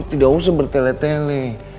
tidak usah bertele tele